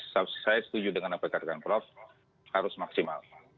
saya setuju dengan apa yang katakan prof harus maksimal